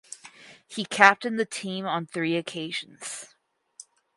He captained the team on three occasions.